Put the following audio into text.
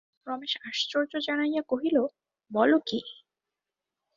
রমেশ আশ্চর্য জানাইয়া কহিল, বল কী!